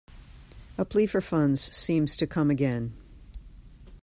A plea for funds seems to come again.